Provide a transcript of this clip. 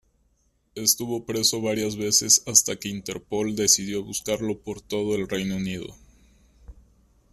Estuvo preso varias veces hasta que Interpol decidió buscarlo por todo el Reino Unido.